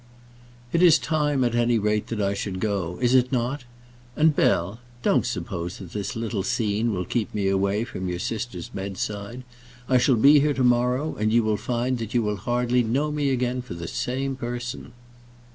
"It is time, at any rate, that I should go; is it not? And, Bell, don't suppose that this little scene will keep me away from your sister's bedside. I shall be here to morrow, and you will find that you will hardly know me again for the same person."